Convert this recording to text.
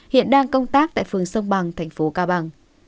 hiện đang công tác tại phường sông bằng thành phố cao bằng